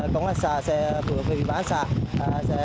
công an xã sẽ